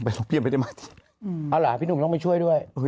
แล้วเดี๋ยววันจันทร์หนึ่งช่วยด้วย